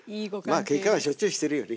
まあけんかはしょっちゅうしてるよね。